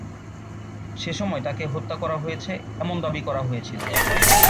সেসময় তাকে হত্যা করা হয়েছে এমন দাবি করা হয়েছিল।